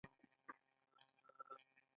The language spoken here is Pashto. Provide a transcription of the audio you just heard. د غور د فیروزکوه د ښار دیوالونه تر اوسه شته